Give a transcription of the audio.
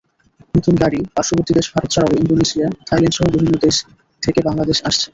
নতুন গাড়ি পার্শ্ববর্তী দেশ ভারত ছাড়াও ইন্দোনেশিয়া, থাইল্যান্ডসহ বিভিন্ন দেশ থেকে বাংলাদেশ আসছে।